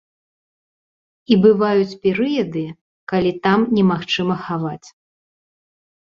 І бываюць перыяды, калі там немагчыма хаваць.